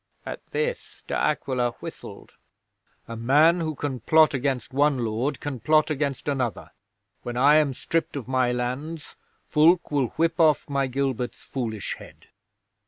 'At this De Aquila whistled. "A man who can plot against one lord can plot against another. When I am stripped of my lands Fulke will whip off my Gilbert's foolish head.